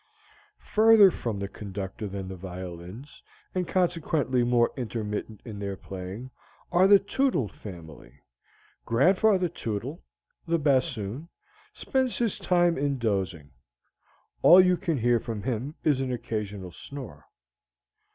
Further from the conductor than the violins, and, consequently, more intermittent in their playing, are the Tootle family. Grandfather Tootle, the bassoon, spends his time in dozing: all you can hear from him is an occasional snore.